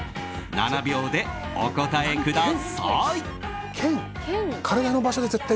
７秒でお答えください！